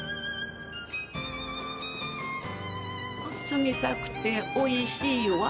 冷たくておいしいわ。